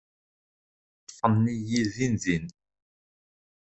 Ṭṭfen-iyi din din.